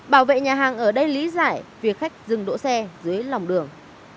bảo vệ nhà hàng ở đây lý giải việc khách dừng đỗ xe dưới lòng đường